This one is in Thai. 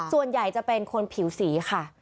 ส่วนใหญ่จะเป็นคนผิวสีค่ะ